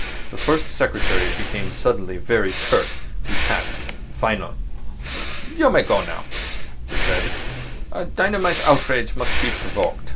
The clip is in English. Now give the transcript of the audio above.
The First Secretary became suddenly very curt, detached, final. "You may go now," he said. "A dynamite outrage must be provoked.